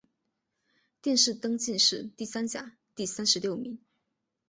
殿试登进士第三甲第三十六名。